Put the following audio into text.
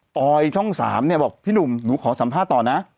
ออยช่อง๓เนี่ยบอกพี่หนุ่มหนูขอสัมภาษณ์ต่อนะ